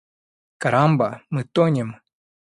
Карамба! Мы тонем!